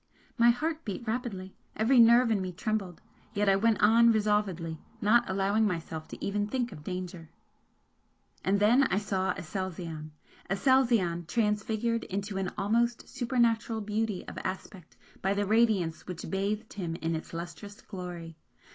My heart beat rapidly; every nerve in me trembled yet I went on resolvedly, not allowing myself to even think of danger. And then I saw Aselzion Aselzion, transfigured into an almost supernatural beauty of aspect by the radiance which bathed him in its lustrous glory!